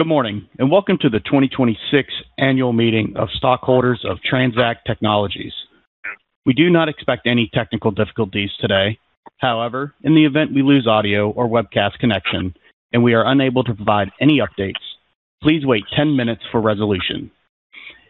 Good morning, and welcome to the 2026 Annual Meeting of Stockholders of TransAct Technologies. We do not expect any technical difficulties today. However, in the event we lose audio or webcast connection and we are unable to provide any updates, please wait 10 minutes for resolution.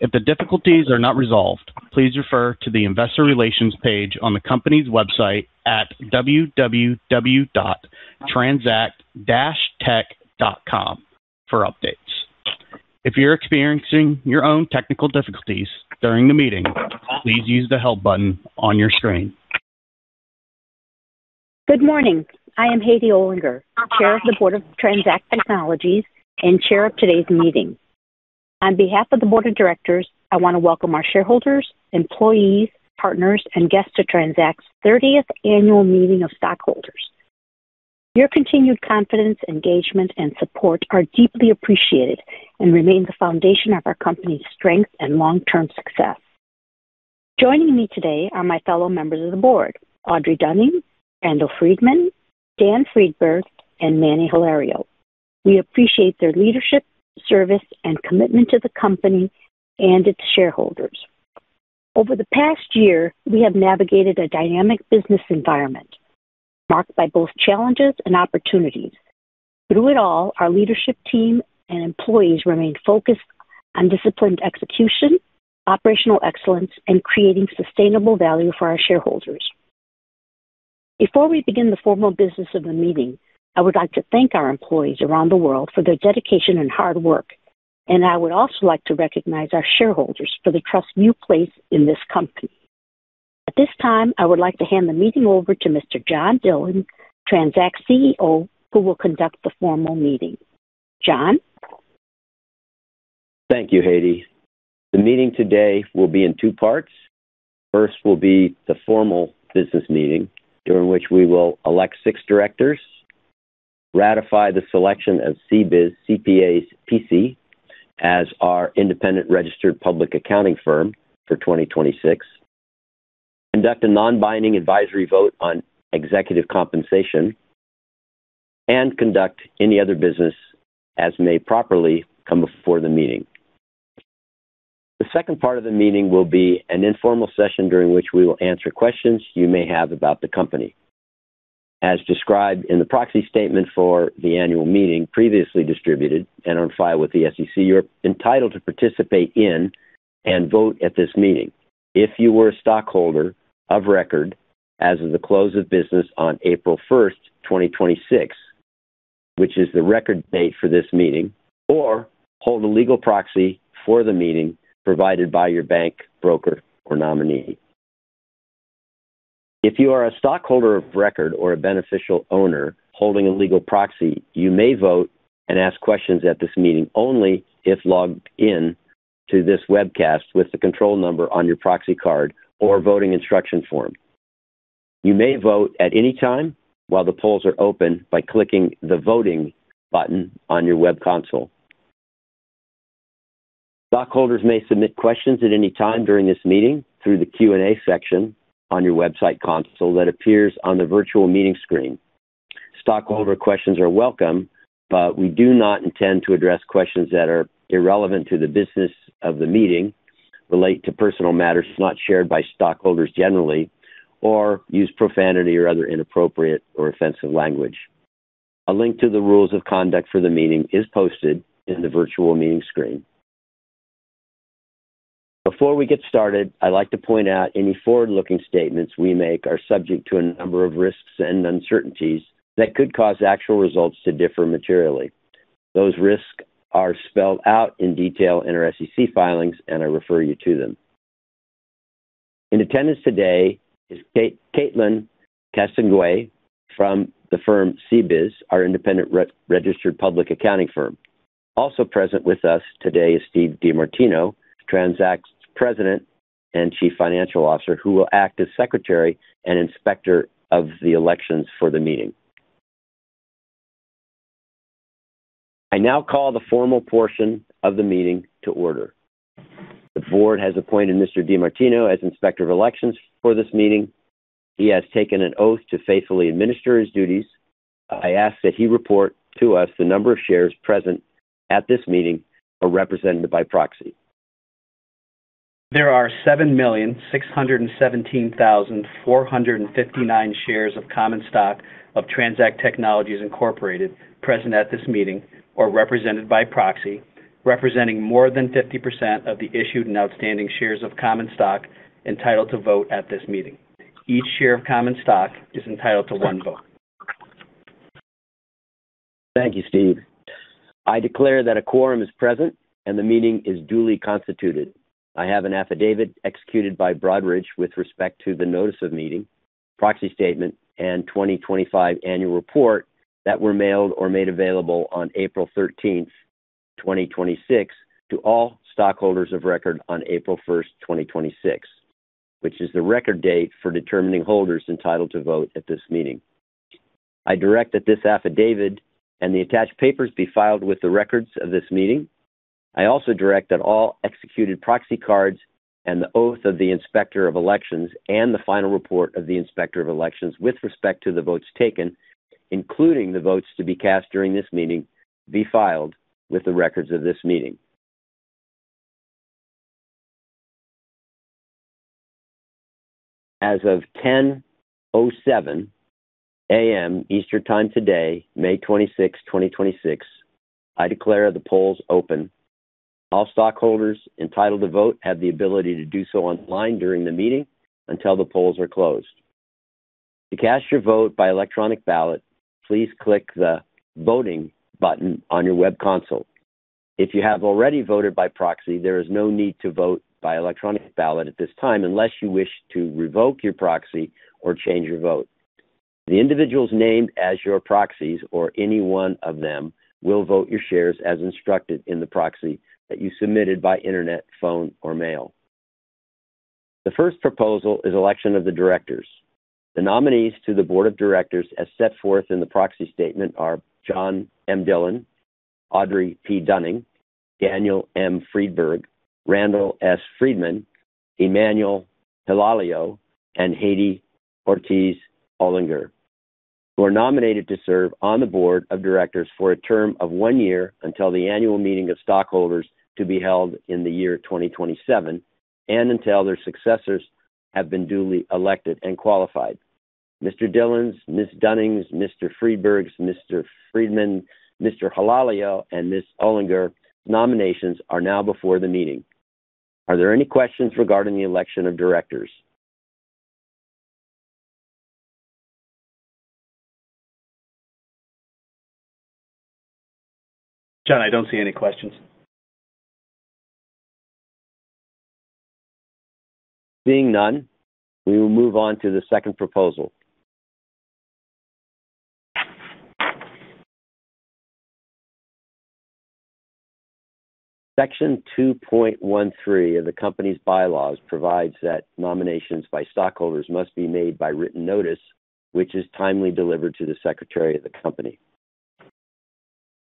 If the difficulties are not resolved, please refer to the investor relations page on the company's website at www.transact-tech.com for updates. If you're experiencing your own technical difficulties during the meeting, please use the help button on your screen. Good morning. I am Haydee Ortiz Olinger, Chair of the Board of TransAct Technologies and Chair of today's meeting. On behalf of the Board of Directors, I want to welcome our shareholders, employees, partners, and guests to TransAct's 30th Annual Meeting of Stockholders. Your continued confidence, engagement, and support are deeply appreciated and remain the foundation of our company's strength and long-term success. Joining me today are my fellow members of the Board, Audrey Dunning, Randall Friedman, Daniel Friedberg, and Emanuel Hilario. We appreciate their leadership, service, and commitment to the company and its shareholders. Over the past year, we have navigated a dynamic business environment marked by both challenges and opportunities. Through it all, our leadership team and employees remain focused on disciplined execution, operational excellence, and creating sustainable value for our shareholders. Before we begin the formal business of the meeting, I would like to thank our employees around the world for their dedication and hard work, and I would also like to recognize our shareholders for the trust you place in this company. At this time, I would like to hand the meeting over to Mr. John Dillon, TransAct's CEO, who will conduct the formal meeting. John? Thank you, Haydee. The meeting today will be in two parts. First will be the formal business meeting, during which we will elect six Directors, ratify the selection of CBIZ CPAs, P.C. as our independent registered public accounting firm for 2026, conduct a non-binding advisory vote on executive compensation, and conduct any other business as may properly come before the meeting. The second part of the meeting will be an informal session during which we will answer questions you may have about the company. As described in the proxy statement for the annual meeting previously distributed and on file with the SEC, you're entitled to participate in and vote at this meeting if you were a stockholder of record as of the close of business on April 1st, 2026, which is the record date for this meeting, or hold a legal proxy for the meeting provided by your bank, broker, or nominee. If you are a stockholder of record or a beneficial owner holding a legal proxy, you may vote and ask questions at this meeting only if logged in to this webcast with the control number on your proxy card or voting instruction form. You may vote at any time while the polls are open by clicking the voting button on your web console. Stockholders may submit questions at any time during this meeting through the Q&A section on your website console that appears on the virtual meeting screen. Stockholder questions are welcome, we do not intend to address questions that are irrelevant to the business of the meeting, relate to personal matters not shared by stockholders generally, or use profanity or other inappropriate or offensive language. A link to the rules of conduct for the meeting is posted in the virtual meeting screen. Before we get started, I'd like to point out any forward-looking statements we make are subject to a number of risks and uncertainties that could cause actual results to differ materially. Those risks are spelled out in detail in our SEC filings, I refer you to them. In attendance today is Katelyn Castonguay from the firm CBIZ, our independent registered public accounting firm. Also present with us today is Steven DeMartino, TransAct's President and Chief Financial Officer, who will act as Secretary and Inspector of the Elections for the meeting. I now call the formal portion of the meeting to order. The Board has appointed Mr. DeMartino as Inspector of Elections for this meeting. He has taken an oath to faithfully administer his duties. I ask that he report to us the number of shares present at this meeting or represented by proxy. There are 7,617,459 shares of common stock of TransAct Technologies Incorporated present at this meeting or represented by proxy, representing more than 50% of the issued and outstanding shares of common stock entitled to vote at this meeting. Each share of common stock is entitled to one vote. Thank you, Steven. I declare that a quorum is present, and the meeting is duly constituted. I have an affidavit executed by Broadridge with respect to the notice of meeting, proxy statement, and 2025 annual report that were mailed or made available on April 13th, 2026, to all stockholders of record on April 1st, 2026, which is the record date for determining holders entitled to vote at this meeting. I also direct that this affidavit and the attached papers be filed with the records of this meeting. I also direct that all executed proxy cards and the oath of the Inspector of Elections and the final report of the Inspector of Elections with respect to the votes taken, including the votes to be cast during this meeting, be filed with the records of this meeting. As of 10:07 A.M. Eastern Time today, May 26, 2026, I declare the polls open. All stockholders entitled to vote have the ability to do so online during the meeting until the polls are closed. To cast your vote by electronic ballot, please click the voting button on your web console. If you have already voted by proxy, there is no need to vote by electronic ballot at this time unless you wish to revoke your proxy or change your vote. The individuals named as your proxies, or any one of them, will vote your shares as instructed in the proxy that you submitted by internet, phone, or mail. The first proposal is election of the Directors. The nominees to the Board of Directors as set forth in the proxy statement are John M. Dillon, Audrey P. Dunning, Daniel M. Friedberg, Randall S. Friedman, Emanuel Hilario, and Haydee Ortiz Olinger, who are nominated to serve on the Board of Directors for a term of one year until the Annual Meeting of Stockholders to be held in the year 2027 and until their successors have been duly elected and qualified. Mr. Dillon's, Ms. Dunning's, Mr. Friedberg's, Mr. Friedman, Mr. Hilario, and Ms. Olinger nominations are now before the meeting. Are there any questions regarding the election of Directors? John, I don't see any questions. Seeing none, we will move on to the second proposal. Section 2.13 of the company's bylaws provides that nominations by stockholders must be made by written notice, which is timely delivered to the Secretary of the company.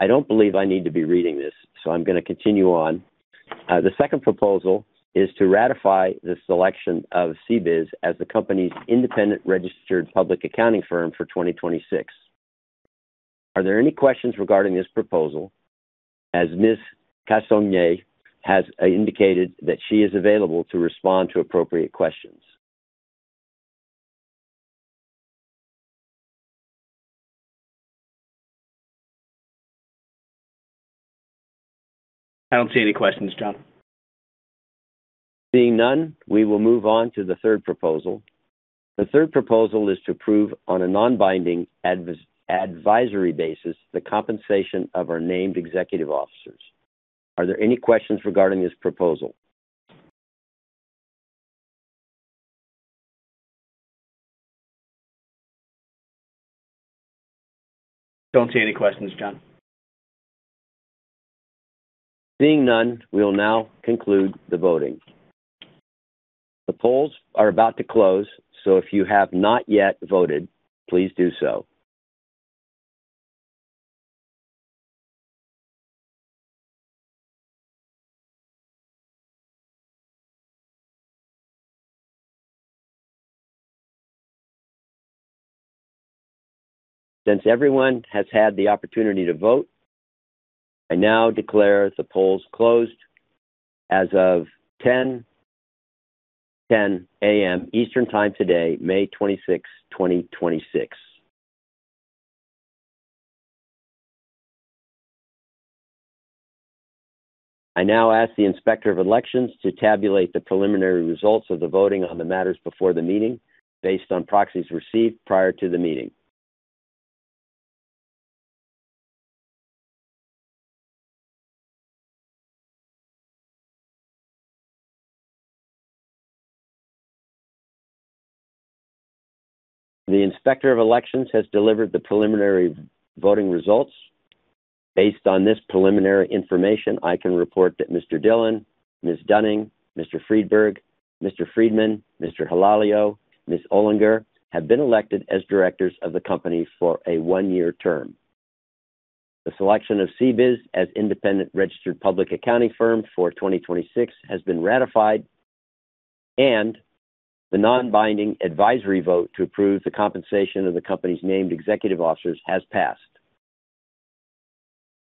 I don't believe I need to be reading this, I'm going to continue on. The second proposal is to ratify the selection of CBIZ as the company's independent registered public accounting firm for 2026. Are there any questions regarding this proposal, as Ms. Castonguay has indicated that she is available to respond to appropriate questions? I don't see any questions, John. Seeing none, we will move on to the third proposal. The third proposal is to approve on a non-binding advisory basis the compensation of our named executive officers. Are there any questions regarding this proposal? Don't see any questions, John. Seeing none, we will now conclude the voting. The polls are about to close, so if you have not yet voted, please do so. Since everyone has had the opportunity to vote, I now declare the polls closed as of 10:10 A.M. Eastern Time today, May 26, 2026. I now ask the Inspector of Elections to tabulate the preliminary results of the voting on the matters before the meeting based on proxies received prior to the meeting. The Inspector of Elections has delivered the preliminary voting results. Based on this preliminary information, I can report that Mr. Dillon, Ms. Dunning, Mr. Friedberg, Mr. Friedman, Mr. Hilario, Ms. Olinger, have been elected as Directors of the company for a one-year term. The selection of CBIZ as independent registered public accounting firm for 2026 has been ratified, and the non-binding advisory vote to approve the compensation of the company's named executive officers has passed.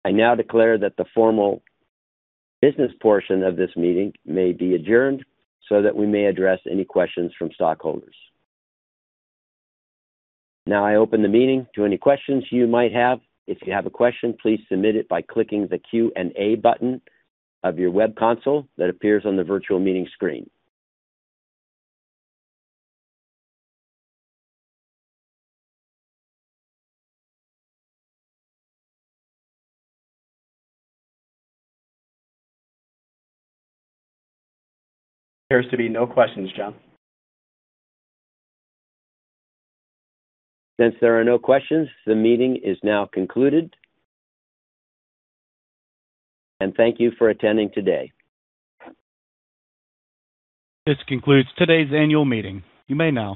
I now declare that the formal business portion of this meeting may be adjourned so that we may address any questions from stockholders. Now I open the meeting to any questions you might have. If you have a question, please submit it by clicking the Q&A button of your web console that appears on the virtual meeting screen. There appears to be no questions, John. Since there are no questions, the meeting is now concluded. Thank you for attending today. This concludes today's annual meeting. You may now disconnect.